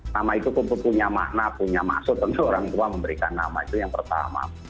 nama itu punya makna punya maksud tentu orang tua memberikan nama itu yang pertama